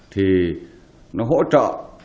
thì nó hỗ trợ